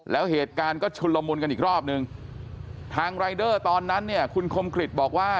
แล้วเหตุการณ์ก็ชุนละมุนกันอีกรอบนึงทางรายเดอร์ตอนนั้นเนี่ยคุณคมกริจบอกว่า